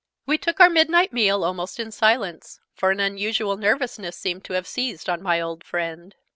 We took our midnight meal almost in silence; for an unusual nervousness seemed to have seized on my old friend.